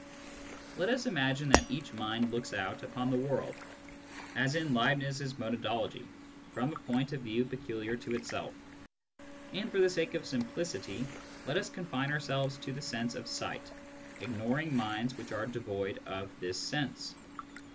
Let us imagine that each mind looks out upon the world, as in Leibniz's monadology, from a point of view peculiar to itself ; and for the sake of simplicity let us confine ourselves to the sense of sight, ignoring minds which are devoid of this sense.